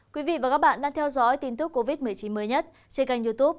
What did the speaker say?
quý vị và các bạn đang theo dõi tin tức covid một mươi chín mới nhất trên kênh youtube